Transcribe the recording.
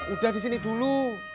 udah disini dulu